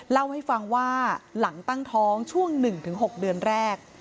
เล่าให้ฟังว่าหลังตั้งท้องช่วง๑๖เดือนแรก